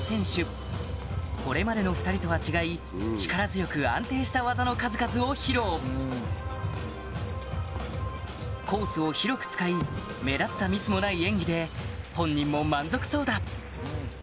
これまでの２人とは違い力強く安定した技の数々を披露コースを広く使い目立ったミスもない演技で本人も満足そうだ